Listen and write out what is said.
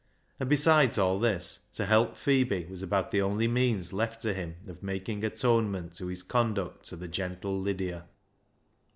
And, besides all this, to help Phebe was about the only means left to him of making atonement for his conduct to the gentle Lydia.